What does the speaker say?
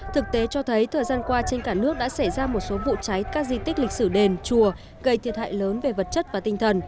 thực tế cho thấy thời gian qua trên cả nước đã xảy ra một số vụ cháy các di tích lịch sử đền chùa gây thiệt hại lớn về vật chất và tinh thần